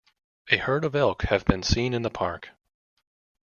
A herd of elk have been seen in the park.